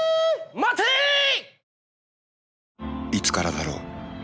待てーい！